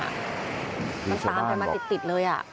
มันตามกันมาติดเลย